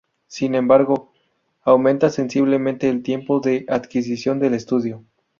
Sin embargo, aumenta sensiblemente el tiempo de adquisición del estudio.